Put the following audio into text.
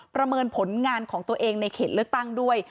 ประเมินผลงานของตัวเองในเขตเลือกตั้งด้วย